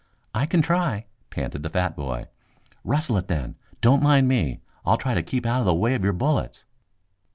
"I can try," panted the fat boy. "Rustle it, then! Don't mind me. I'll try to keep out of the way of your bullets."